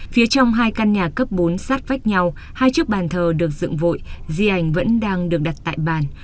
phía trong hai căn nhà cấp bốn sát vách nhau hai chiếc bàn thờ được dựng vội di ảnh vẫn đang được đặt tại bàn